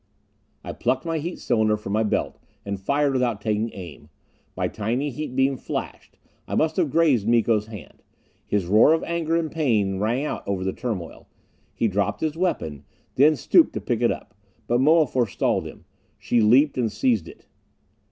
I plucked my heat cylinder from my belt, and fired without taking aim. My tiny heat beam flashed. I must have grazed Miko's hand. His roar of anger and pain rang out over the turmoil. He dropped his weapon; then stooped to pick it up. But Moa forestalled him. She leaped and seized it.